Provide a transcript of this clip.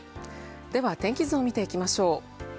では、天気図を見ていきましょう。